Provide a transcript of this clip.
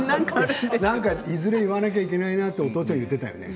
いずれ言わなきゃいけないなってお父ちゃん言っていたよね